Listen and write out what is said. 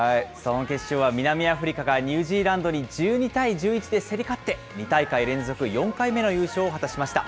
決勝は南アフリカがニュージーランドに１２対１１で競り勝って、２大会連続４回目の優勝を果たしました。